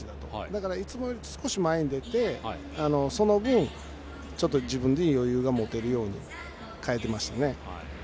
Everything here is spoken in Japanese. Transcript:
だから、いつもより少し前に出てその分自分で余裕が持てるように変えていましたね。